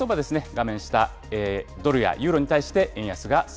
画面下、ドルやユーロに対して円